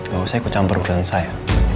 bawah saya ke campur urusan saya